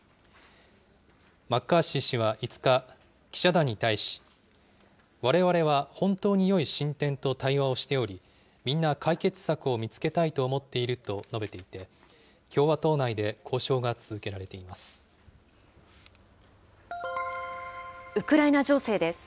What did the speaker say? マッカーシー氏は５日、記者団に対し、われわれは本当によい進展と対話をしており、みんな解決策を見つけたいと思っていると述べていて、共和党内でウクライナ情勢です。